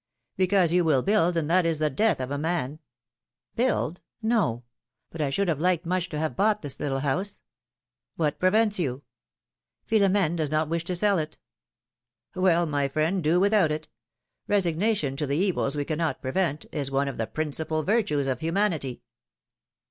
Because you will build, and that is the death of a man !" Build ? No ! But I should have liked much to have bought this little house." What prevents you ?" Philomdne does not wish to sell it." ^'Well, my friend, do without it. Eesignation to the evils we cannot prevent, is one of the principal virtues of humanity."